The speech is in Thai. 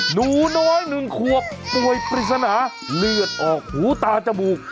หนูน้อย๑ขวบป่วยปริศนาเลือดออกหูตาจมูก